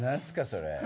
それ。